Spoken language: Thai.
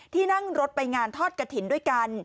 นั่งรถไปงานทอดกระถิ่นด้วยกัน